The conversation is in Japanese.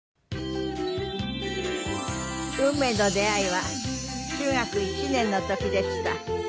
運命の出会いは中学１年の時でした。